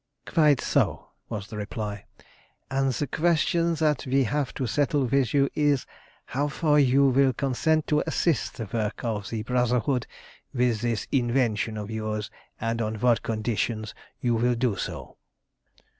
"Quite so," was the reply. "And the question that we have to settle with you is how far you will consent to assist the work of the Brotherhood with this invention of yours, and on what conditions you will do so."